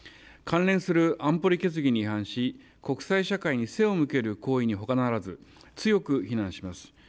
関連する安保理決議に違反し、国際社会に背を向ける行為にほかならず、強く非難します。